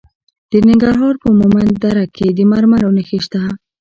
د ننګرهار په مومند دره کې د مرمرو نښې شته.